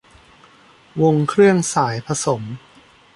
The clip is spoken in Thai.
วงเครื่องสายผสม